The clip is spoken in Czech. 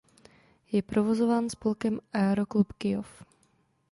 Je provozováno spolkem "Aeroklub Kyjov".